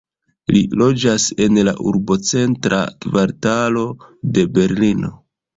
Li loĝas en la urbocentra kvartalo de Berlino.